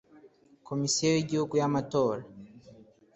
Komisiyo y Igihugu y Amatora